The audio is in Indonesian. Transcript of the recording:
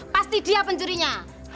pasti dia pencurinya